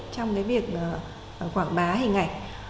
trong cái việc quảng bá hình ảnh